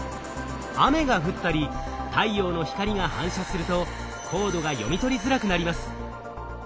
雨が降ったり太陽の光が反射するとコードが読み取りづらくなります。